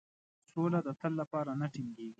سوله د تل لپاره نه ټینګیږي.